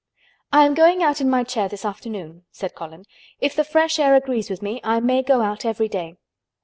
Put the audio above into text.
"I am going out in my chair this afternoon," said Colin. "If the fresh air agrees with me I may go out every day.